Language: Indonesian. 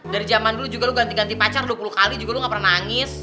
dari zaman dulu juga lu ganti ganti pacar dua puluh kali juga lu gak pernah nangis